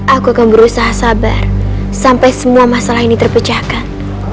aku akan berusaha sabar sampai semua masalah ini terpecahkan